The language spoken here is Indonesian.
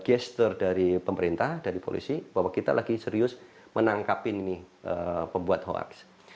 gesture dari pemerintah dari polisi bahwa kita lagi serius menangkap ini pembuat hoaks